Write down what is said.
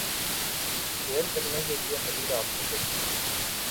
share کرنے کے لیے مزید آپشن دیکھ„یں